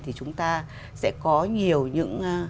thì chúng ta sẽ có nhiều những